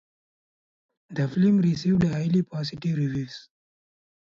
The film received highly positive reviews.